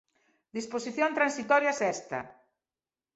Disposición transitoria sexta.